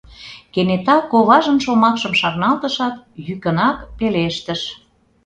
Кенета коважын шомакшым шарналтышат, йӱкынак пелештыш.